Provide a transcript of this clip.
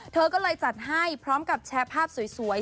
เธอก็เลยจัดให้พร้อมกับแชร์ภาพสวย